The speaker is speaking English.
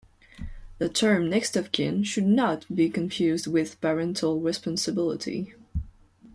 The term "next of kin" should not be confused with parental responsibility.